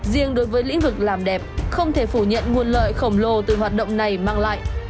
riêng đối với lĩnh vực làm đẹp không thể phủ nhận nguồn lợi khổng lồ từ hoạt động này mang lại